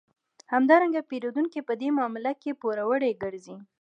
همدارنګه پېرودونکی په دې معامله کې پوروړی ګرځي